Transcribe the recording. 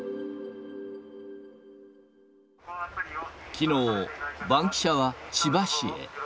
きのう、バンキシャは千葉市へ。